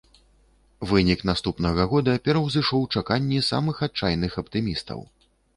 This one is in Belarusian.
Вынік наступнага года пераўзышоў чаканні самых адчайных аптымістаў.